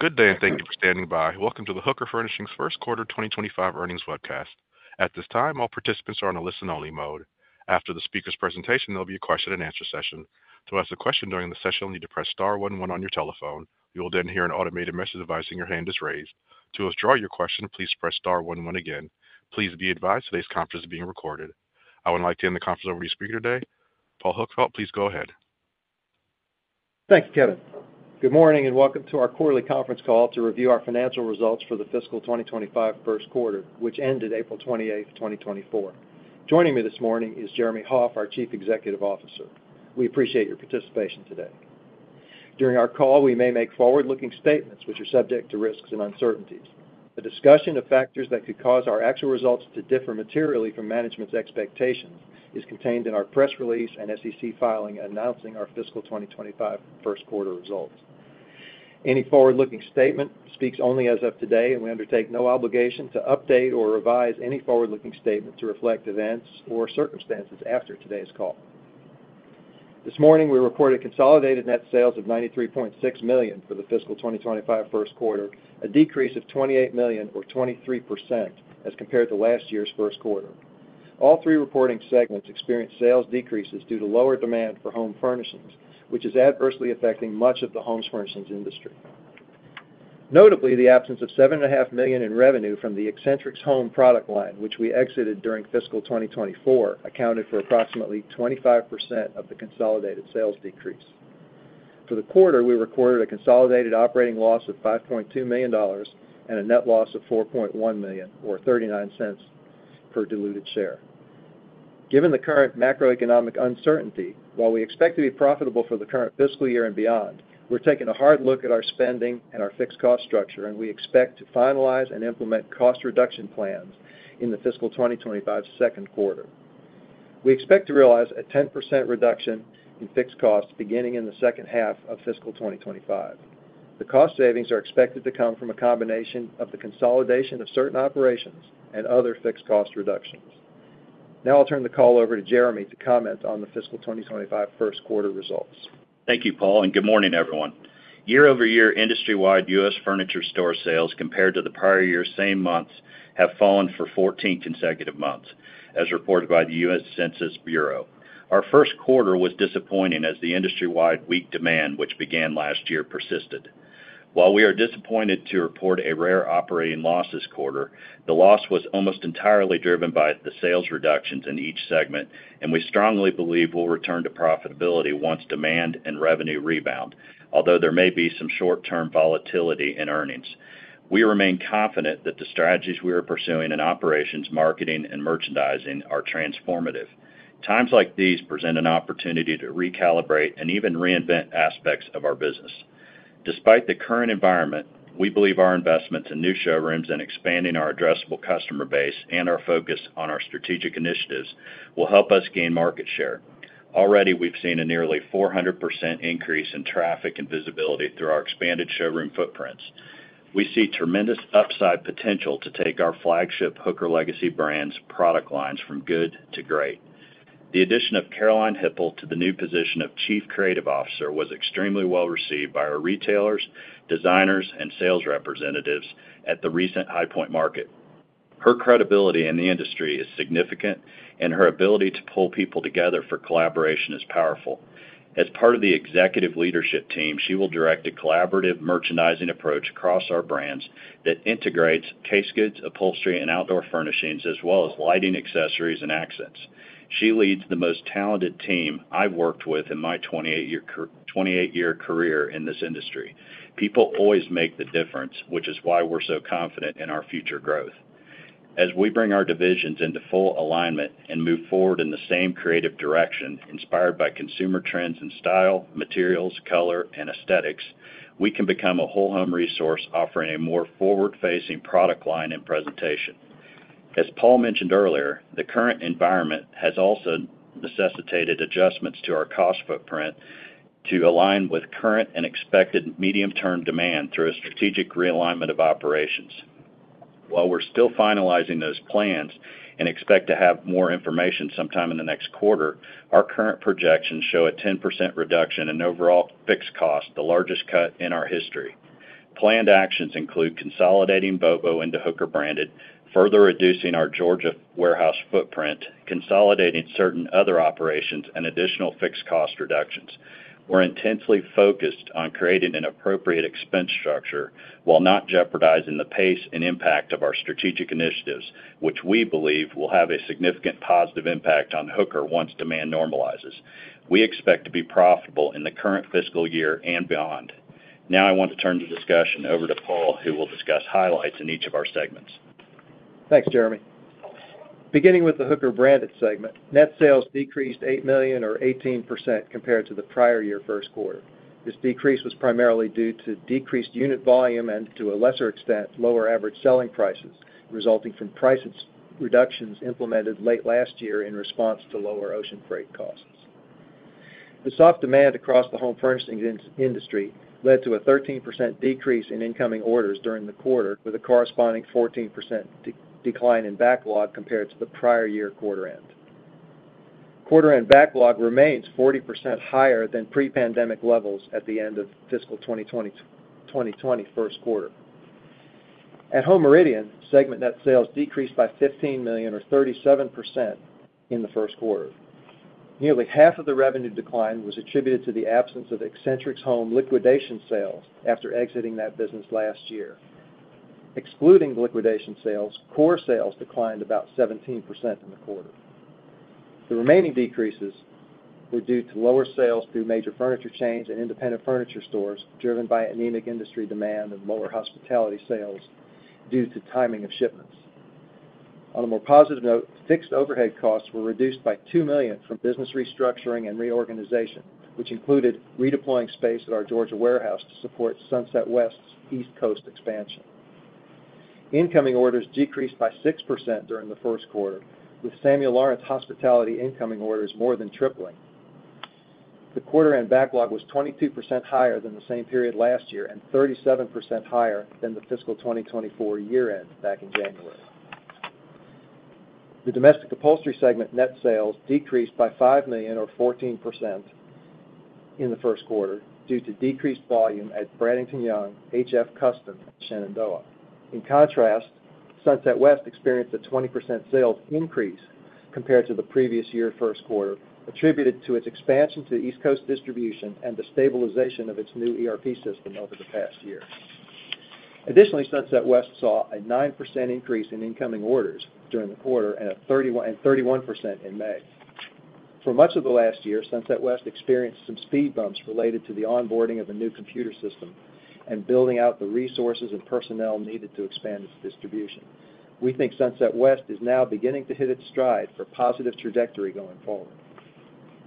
Good day, and thank you for standing by. Welcome to the Hooker Furnishings First Quarter 2025 earnings webcast. At this time, all participants are on a listen-only mode. After the speaker's presentation, there'll be a question-and-answer session. To ask a question during the session, you'll need to press star one one on your telephone. You will then hear an automated message advising your hand is raised. To withdraw your question, please press star one one again. Please be advised today's conference is being recorded. I would like to hand the conference over to your speaker today, Paul Huckfeldt. Please go ahead. Thank you, Kevin. Good morning, and welcome to our quarterly conference call to review our financial results for the fiscal 2025 first quarter, which ended April 28, 2024. Joining me this morning is Jeremy Hoff, our Chief Executive Officer. We appreciate your participation today. During our call, we may make forward-looking statements which are subject to risks and uncertainties. A discussion of factors that could cause our actual results to differ materially from management's expectations is contained in our press release and SEC filing announcing our fiscal 2025 first quarter results. Any forward-looking statement speaks only as of today, and we undertake no obligation to update or revise any forward-looking statement to reflect events or circumstances after today's call. This morning, we reported consolidated net sales of $93.6 million for the fiscal 2025 first quarter, a decrease of $28 million or 23% as compared to last year's first quarter. All three reporting segments experienced sales decreases due to lower demand for home furnishings, which is adversely affecting much of the home furnishings industry. Notably, the absence of $7.5 million in revenue from the Accentrics Home product line, which we exited during fiscal 2024, accounted for approximately 25% of the consolidated sales decrease. For the quarter, we recorded a consolidated operating loss of $5.2 million and a net loss of $4.1 million, or $0.39 per diluted share. Given the current macroeconomic uncertainty, while we expect to be profitable for the current fiscal year and beyond, we're taking a hard look at our spending and our fixed cost structure, and we expect to finalize and implement cost reduction plans in the fiscal 2025 second quarter. We expect to realize a 10% reduction in fixed costs beginning in the second half of fiscal 2025. The cost savings are expected to come from a combination of the consolidation of certain operations and other fixed cost reductions. Now I'll turn the call over to Jeremy to comment on the fiscal 2025 first quarter results. Thank you, Paul, and good morning, everyone. Year-over-year industry-wide U.S. furniture store sales compared to the prior year's same months, have fallen for 14 consecutive months, as reported by the U.S. Census Bureau. Our first quarter was disappointing as the industry-wide weak demand, which began last year, persisted. While we are disappointed to report a rare operating loss this quarter, the loss was almost entirely driven by the sales reductions in each segment, and we strongly believe we'll return to profitability once demand and revenue rebound, although there may be some short-term volatility in earnings. We remain confident that the strategies we are pursuing in operations, marketing, and merchandising are transformative. Times like these present an opportunity to recalibrate and even reinvent aspects of our business. Despite the current environment, we believe our investments in new showrooms and expanding our addressable customer base and our focus on our strategic initiatives will help us gain market share. Already, we've seen a nearly 400% increase in traffic and visibility through our expanded showroom footprints. We see tremendous upside potential to take our flagship Hooker legacy brands' product lines from good to great. The addition of Caroline Hipple to the new position of Chief Creative Officer was extremely well received by our retailers, designers, and sales representatives at the recent High Point market. Her credibility in the industry is significant, and her ability to pull people together for collaboration is powerful. As part of the executive leadership team, she will direct a collaborative merchandising approach across our brands that integrates case goods, upholstery, and outdoor furnishings, as well as lighting, accessories, and accents. She leads the most talented team I've worked with in my 28-year career in this industry. People always make the difference, which is why we're so confident in our future growth. As we bring our divisions into full alignment and move forward in the same creative direction, inspired by consumer trends and style, materials, color, and aesthetics, we can become a whole home resource offering a more forward-facing product line and presentation. As Paul mentioned earlier, the current environment has also necessitated adjustments to our cost footprint to align with current and expected medium-term demand through a strategic realignment of operations. While we're still finalizing those plans and expect to have more information sometime in the next quarter, our current projections show a 10% reduction in overall fixed cost, the largest cut in our history. Planned actions include consolidating Bobo into Hooker Branded, further reducing our Georgia warehouse footprint, consolidating certain other operations, and additional fixed cost reductions. We're intensely focused on creating an appropriate expense structure while not jeopardizing the pace and impact of our strategic initiatives, which we believe will have a significant positive impact on Hooker once demand normalizes. We expect to be profitable in the current fiscal year and beyond. Now I want to turn the discussion over to Paul, who will discuss highlights in each of our segments. Thanks, Jeremy. Beginning with the Hooker Branded segment, net sales decreased $8 million or 18% compared to the prior year first quarter. This decrease was primarily due to decreased unit volume and, to a lesser extent, lower average selling prices, resulting from price reductions implemented late last year in response to lower ocean freight costs. The soft demand across the home furnishings industry led to a 13% decrease in incoming orders during the quarter, with a corresponding 14% decline in backlog compared to the prior year quarter end. Quarter end backlog remains 40% higher than pre-pandemic levels at the end of fiscal 2020, 2021 first quarter. At Home Meridian, segment net sales decreased by $15 million, or 37%, in the first quarter. Nearly half of the revenue decline was attributed to the absence of Accentrics Home liquidation sales after exiting that business last year. Excluding liquidation sales, core sales declined about 17% in the quarter. The remaining decreases were due to lower sales through major furniture chains and independent furniture stores, driven by anemic industry demand and lower hospitality sales due to timing of shipments. On a more positive note, fixed overhead costs were reduced by $2 million from business restructuring and reorganization, which included redeploying space at our Georgia warehouse to support Sunset West's East Coast expansion. Incoming orders decreased by 6% during the first quarter, with Samuel Lawrence Hospitality incoming orders more than tripling. The quarter end backlog was 22% higher than the same period last year and 37% higher than the fiscal 2024 year end back in January. The domestic upholstery segment net sales decreased by $5 million or 14% in the first quarter due to decreased volume at Bradington-Young, HF Custom, and Shenandoah. In contrast, Sunset West experienced a 20% sales increase compared to the previous year first quarter, attributed to its expansion to East Coast distribution and the stabilization of its new ERP system over the past year. Additionally, Sunset West saw a 9% increase in incoming orders during the quarter and a 31, and 31% in May. For much of the last year, Sunset West experienced some speed bumps related to the onboarding of a new computer system and building out the resources and personnel needed to expand its distribution. We think Sunset West is now beginning to hit its stride for positive trajectory going forward.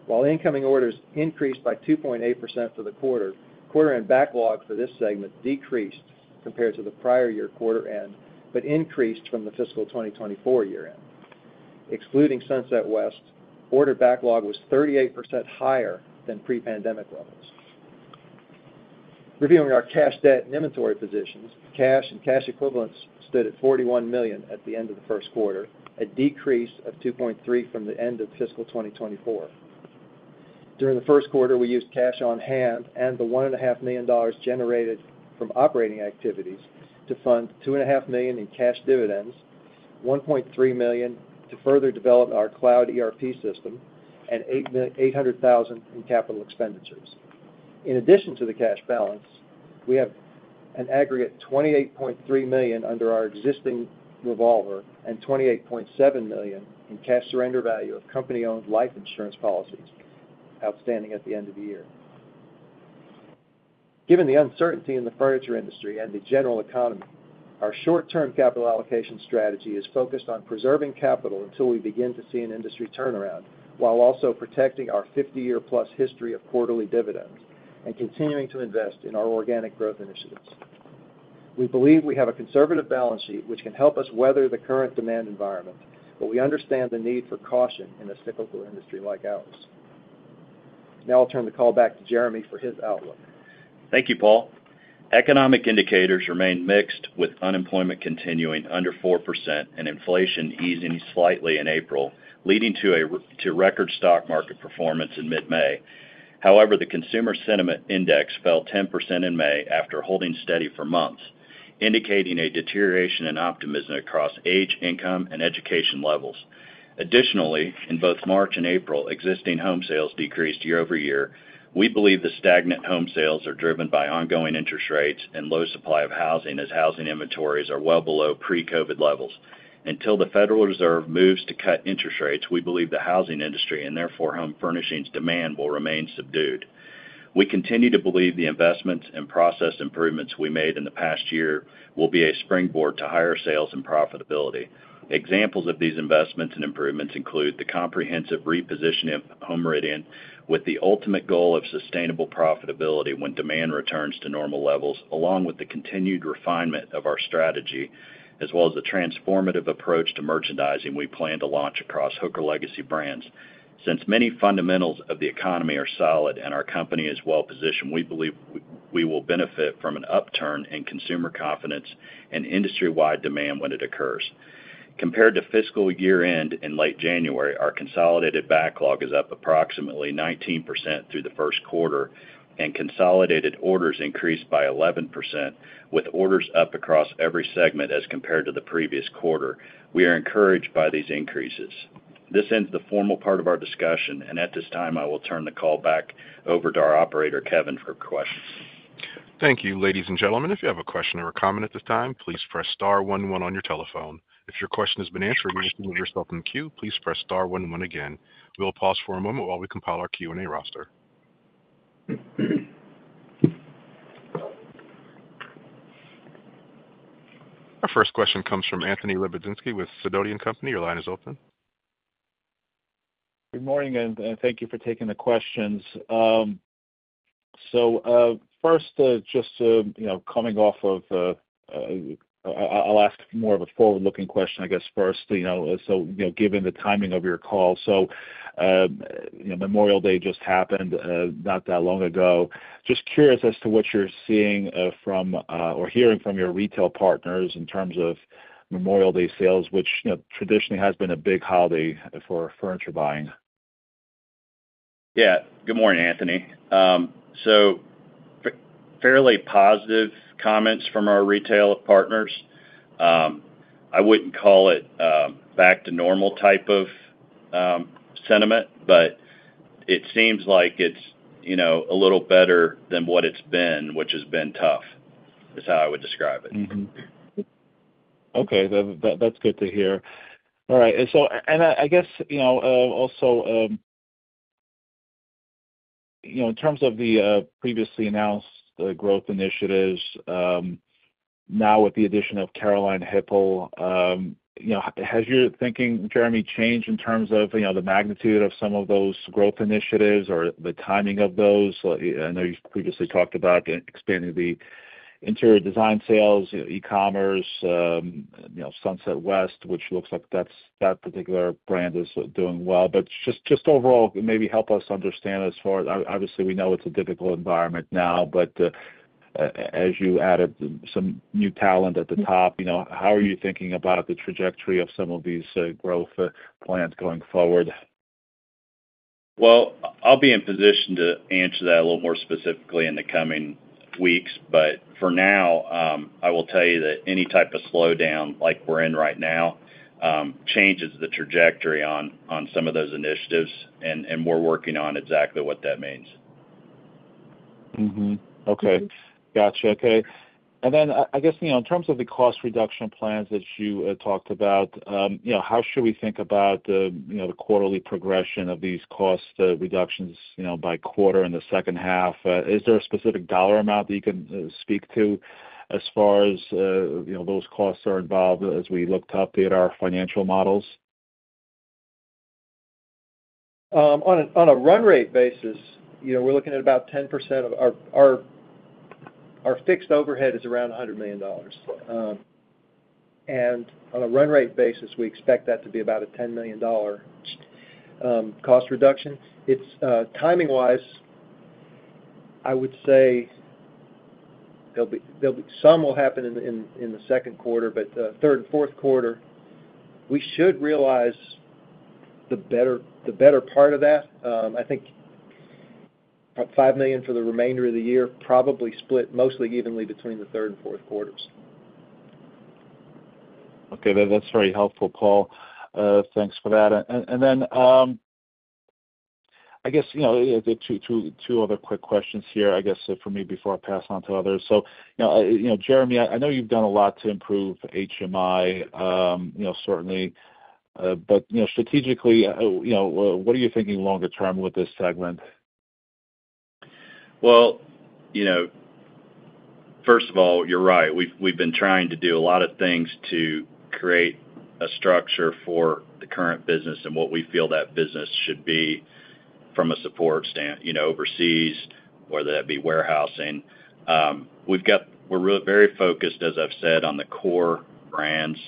While incoming orders increased by 2.8% for the quarter, quarter-end backlog for this segment decreased compared to the prior year quarter end, but increased from the fiscal 2024 year end. Excluding Sunset West, order backlog was 38% higher than pre-pandemic levels. Reviewing our cash, debt, and inventory positions, cash and cash equivalents stood at $41 million at the end of the first quarter, a decrease of $2.3 million from the end of fiscal 2024. During the first quarter, we used cash on hand and the $1.5 million dollars generated from operating activities to fund $2.5 million in cash dividends, $1.3 million to further develop our cloud ERP system, and $800,000 in capital expenditures. In addition to the cash balance, we have an aggregate $28.3 million under our existing revolver and $28.7 million in cash surrender value of company-owned life insurance policies outstanding at the end of the year. Given the uncertainty in the furniture industry and the general economy, our short-term capital allocation strategy is focused on preserving capital until we begin to see an industry turnaround, while also protecting our 50 year-plus history of quarterly dividends and continuing to invest in our organic growth initiatives. We believe we have a conservative balance sheet, which can help us weather the current demand environment, but we understand the need for caution in a cyclical industry like ours. Now I'll turn the call back to Jeremy for his outlook. Thank you, Paul. Economic indicators remain mixed, with unemployment continuing under 4% and inflation easing slightly in April, leading to a return to record stock market performance in mid-May. However, the Consumer Sentiment Index fell 10% in May after holding steady for months, indicating a deterioration in optimism across age, income, and education levels. Additionally, in both March and April, existing home sales decreased year-over-year. We believe the stagnant home sales are driven by ongoing interest rates and low supply of housing, as housing inventories are well below pre-COVID levels. Until the Federal Reserve moves to cut interest rates, we believe the housing industry, and therefore, home furnishings demand, will remain subdued. We continue to believe the investments and process improvements we made in the past year will be a springboard to higher sales and profitability. Examples of these investments and improvements include the comprehensive repositioning of Home Meridian, with the ultimate goal of sustainable profitability when demand returns to normal levels, along with the continued refinement of our strategy, as well as the transformative approach to merchandising we plan to launch across Hooker legacy brands. Since many fundamentals of the economy are solid and our company is well positioned, we believe we will benefit from an upturn in consumer confidence and industry-wide demand when it occurs. Compared to fiscal year-end in late January, our consolidated backlog is up approximately 19% through the first quarter, and consolidated orders increased by 11%, with orders up across every segment as compared to the previous quarter. We are encouraged by these increases. This ends the formal part of our discussion, and at this time, I will turn the call back over to our operator, Kevin, for questions. Thank you, ladies and gentlemen. If you have a question or a comment at this time, please press star one one on your telephone. If your question has been answered, and you wish to remove yourself from the queue, please press star one one again. We'll pause for a moment while we compile our Q&A roster. Our first question comes from Anthony Lebiedzinski with Sidoti & Company. Your line is open. Good morning, and thank you for taking the questions. So, first, just to, you know, coming off of, I'll ask more of a forward-looking question, I guess, first, you know, so, you know, given the timing of your call. So, you know, Memorial Day just happened, not that long ago. Just curious as to what you're seeing, from, or hearing from your retail partners in terms of Memorial Day sales, which, you know, traditionally has been a big holiday for furniture buying. Yeah. Good morning, Anthony. So fairly positive comments from our retail partners. I wouldn't call it back to normal type of sentiment, but it seems like it's, you know, a little better than what it's been, which has been tough, is how I would describe it. Mm-hmm. Okay, that's good to hear. All right, and so I guess, you know, also, you know, in terms of the previously announced growth initiatives, now with the addition of Caroline Hipple, you know, has your thinking, Jeremy, changed in terms of, you know, the magnitude of some of those growth initiatives or the timing of those? I know you've previously talked about expanding the interior design sales, you know, e-commerce, you know, Sunset West, which looks like that particular brand is doing well. But just overall, maybe help us understand as far as, Obviously, we know it's a difficult environment now, but as you added some new talent at the top, you know, how are you thinking about the trajectory of some of these growth plans going forward? Well, I'll be in position to answer that a little more specifically in the coming weeks, but for now, I will tell you that any type of slowdown like we're in right now changes the trajectory on some of those initiatives, and we're working on exactly what that means. Mm-hmm. Okay. Gotcha. Okay. And then I, I guess, you know, in terms of the cost reduction plans that you talked about, you know, how should we think about the, you know, the quarterly progression of these cost reductions, you know, by quarter in the second half? Is there a specific dollar amount that you can speak to as far as, you know, those costs are involved as we look up at our financial models? On a run rate basis, you know, we're looking at about 10% of our fixed overhead. Our fixed overhead is around $100 million. And on a run rate basis, we expect that to be about a $10 million cost reduction. It's timing-wise, I would say there'll be some will happen in the second quarter, but third and fourth quarter, we should realize the better part of that. I think about $5 million for the remainder of the year, probably split mostly evenly between the third and fourth quarters. Okay. That's very helpful, Paul. Thanks for that. And then, I guess, you know, the two other quick questions here, I guess, for me before I pass on to others. So, you know, you know, Jeremy, I know you've done a lot to improve HMI, you know, certainly, but, you know, strategically, you know, what are you thinking longer term with this segment? Well, you know, first of all, you're right. We've been trying to do a lot of things to create a structure for the current business and what we feel that business should be from a support standpoint, you know, overseas, whether that be warehousing. We're very focused, as I've said, on the core brands,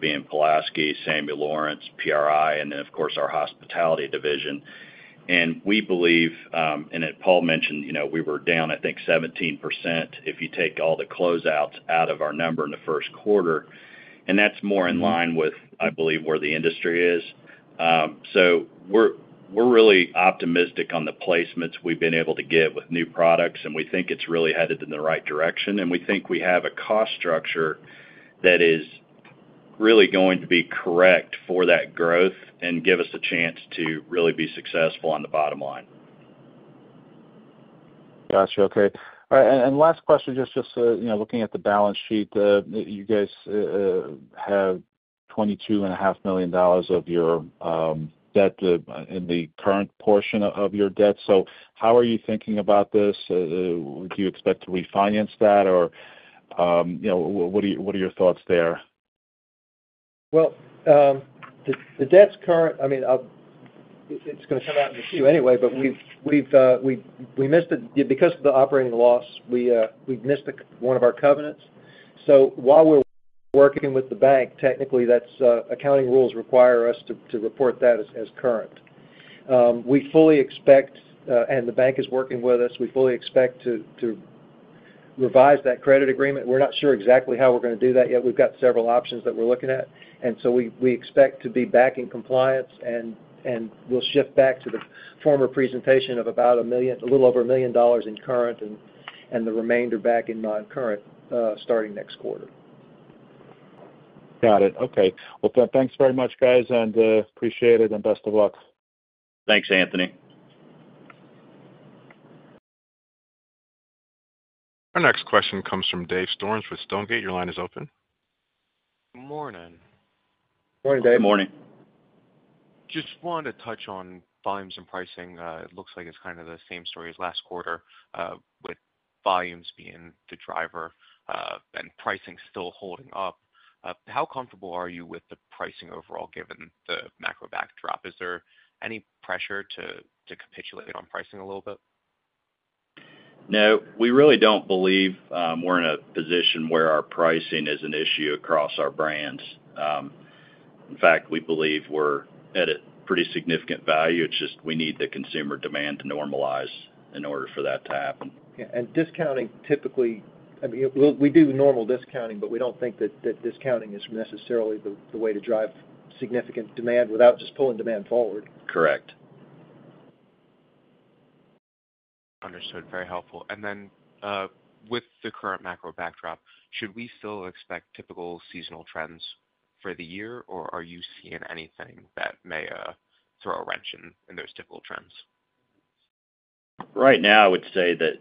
being Pulaski, Samuel Lawrence, PRI, and then, of course, our hospitality division. We believe, and as Paul mentioned, you know, we were down, I think, 17%, if you take all the closeouts out of our number in the first quarter, and that's more in line with, I believe, where the industry is. So we're really optimistic on the placements we've been able to get with new products, and we think it's really headed in the right direction, and we think we have a cost structure that is really going to be correct for that growth and give us a chance to really be successful on the bottom line. Gotcha. Okay. All right, and last question, just, you know, looking at the balance sheet, you guys have $22.5 million of your debt in the current portion of your debt. So how are you thinking about this? Do you expect to refinance that, or, you know, what are your thoughts there? Well, the debt's current. I mean, it's gonna come out in a few anyway, but we missed it. Because of the operating loss, we've missed one of our covenants. So while we're working with the bank, technically that's accounting rules require us to report that as current. We fully expect, and the bank is working with us, we fully expect to revise that credit agreement. We're not sure exactly how we're gonna do that yet. We've got several options that we're looking at, and so we expect to be back in compliance, and we'll shift back to the former presentation of about $1 million a little over $1 million in current and the remainder back in non-current, starting next quarter. Got it. Okay. Well, thanks very much, guys, and appreciate it, and best of luck. Thanks, Anthony. Our next question comes from Dave Storms with Stonegate. Your line is open. Good morning. Morning, Dave. Good morning. Just wanted to touch on volumes and pricing. It looks like it's kind of the same story as last quarter, with volumes being the driver, and pricing still holding up. How comfortable are you with the pricing overall, given the macro backdrop? Is there any pressure to capitulate on pricing a little bit? No, we really don't believe, we're in a position where our pricing is an issue across our brands. In fact, we believe we're at a pretty significant value. It's just we need the consumer demand to normalize in order for that to happen. Yeah, and discounting typically, I mean, we do normal discounting, but we don't think that discounting is necessarily the way to drive significant demand without just pulling demand forward. Correct. Understood. Very helpful. And then, with the current macro backdrop, should we still expect typical seasonal trends for the year, or are you seeing anything that may throw a wrench in those typical trends? Right now, I would say that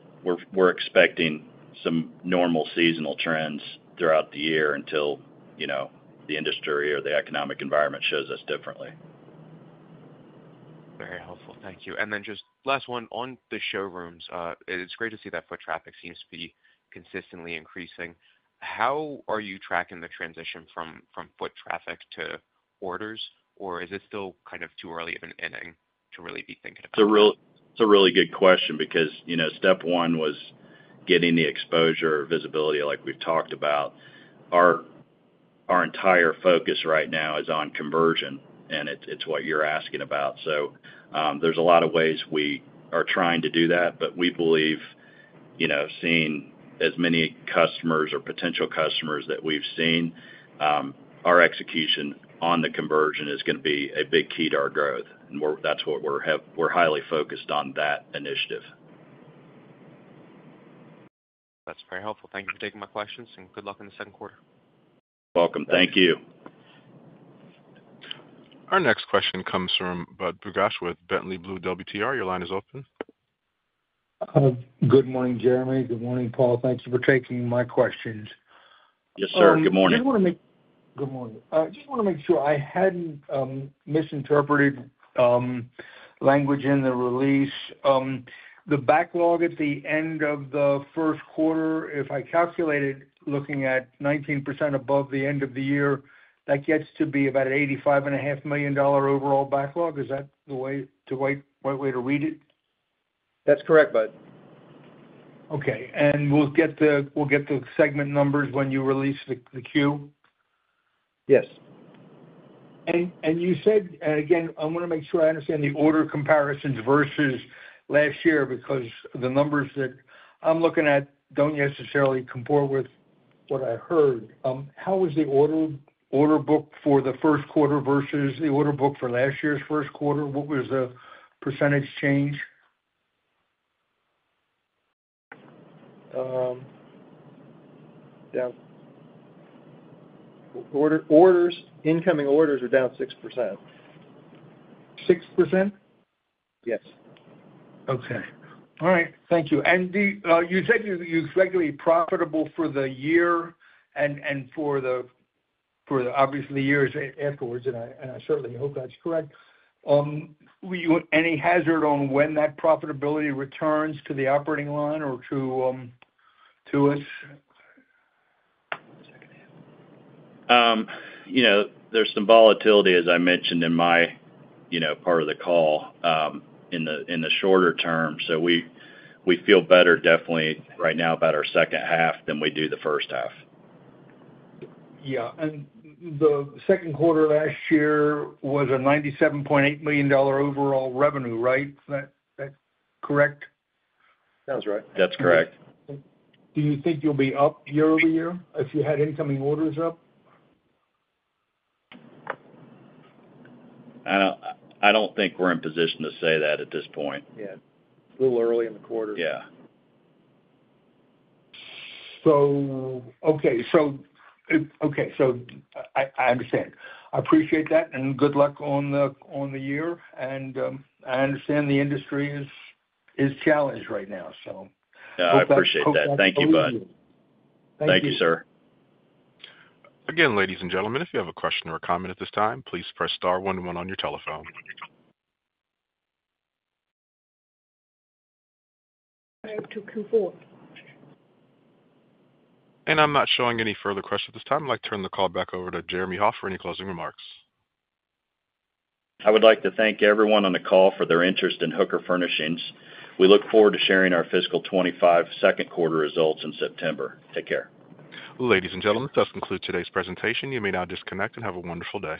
we're expecting some normal seasonal trends throughout the year until, you know, the industry or the economic environment shows us differently. Very helpful. Thank you. Then just last one. On the showrooms, it's great to see that foot traffic seems to be consistently increasing. How are you tracking the transition from foot traffic to orders? Or is it still kind of too early of an inning to really be thinking about? It's a really good question because, you know, step one was getting the exposure, visibility, like we've talked about. Our entire focus right now is on conversion, and it's what you're asking about. So, there's a lot of ways we are trying to do that, but we believe, you know, seeing as many customers or potential customers that we've seen, our execution on the conversion is gonna be a big key to our growth. And that's what we're highly focused on, that initiative. That's very helpful. Thank you for taking my questions, and good luck in the second quarter. Welcome. Thank you. Our next question comes from Budd Bugatch with Water Tower Research. Your line is open. Good morning, Jeremy. Good morning, Paul. Thank you for taking my questions. Yes, sir. Good morning. Good morning. I just want to make sure I hadn't misinterpreted language in the release. The backlog at the end of the first quarter, if I calculated, looking at 19% above the end of the year, that gets to be about $85.5 million overall backlog. Is that the way, the right, right way to read it? That's correct, Budd. Okay. And we'll get the segment numbers when you release the queue? Yes. Again, I want to make sure I understand the order comparisons versus last year, because the numbers that I'm looking at don't necessarily comport with what I heard. How was the order book for the first quarter versus the order book for last year's first quarter? What was the percentage change? Incoming orders are down 6%. 6%? Yes. Okay. All right. Thank you. And you said you expect to be profitable for the year and for the, obviously, years afterwards, and I certainly hope that's correct. Will you hazard any on when that profitability returns to the operating line or to us? You know, there's some volatility, as I mentioned in my, you know, part of the call, in the shorter term. So we feel better definitely right now about our second half than we do the first half. Yeah, and the second quarter last year was $97.8 million overall revenue, right? Is that correct? Sounds right. That's correct. Do you think you'll be up year-over-year if you had incoming orders up? I don't think we're in position to say that at this point. Yeah. A little early in the quarter. Yeah. Okay. I understand. I appreciate that, and good luck on the year, and I understand the industry is challenged right now, so I appreciate that. Thank you, Budd. Thank you, sir. Again, ladies and gentlemen, if you have a question or a comment at this time, please press star one one on your telephone. I'm not showing any further questions at this time. I'd like to turn the call back over to Jeremy Hoff for any closing remarks. I would like to thank everyone on the call for their interest in Hooker Furnishings. We look forward to sharing our fiscal 2025 second quarter results in September. Take care. Ladies and gentlemen, this concludes today's presentation. You may now disconnect and have a wonderful day.